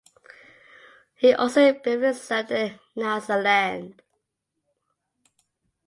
He also briefly served in Nyasaland.